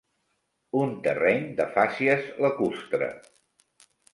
Un terreny de fàcies lacustre.